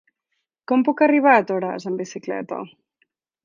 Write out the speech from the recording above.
Com puc arribar a Toràs amb bicicleta?